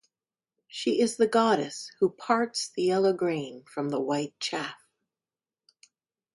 She is the goddess who parts the yellow grain from the white chaff.